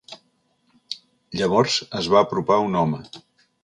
Llavors es va apropar un home.